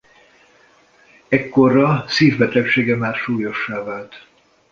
Ekkorra szívbetegsége már súlyossá vált.